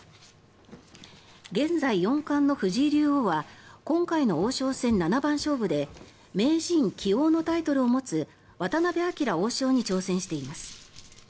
現在四冠の藤井竜王は今回の王将戦七番勝負で名人・棋王のタイトルを持つ渡辺明王将に挑戦しています。